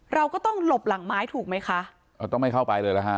เราก็ต้องหลบหลังไม้ถูกไหมคะอ๋อต้องไม่เข้าไปเลยนะฮะ